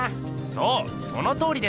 そうそのとおりです！